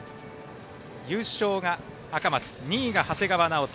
優勝が赤松２位が長谷川直人